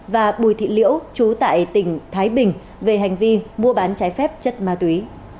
và bùi thị liễu trú tại tỉnh thái bình về hành vi mua bán trái phép chất ma túy